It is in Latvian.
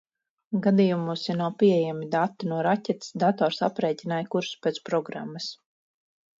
Gadījumos, ja nav pieejami dati no raķetes, dators aprēķināja kursu pēc programmas.